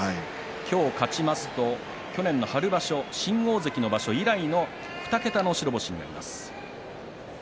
今日勝ちますと去年の春場所、新大関の場所以来の２桁の白星になります。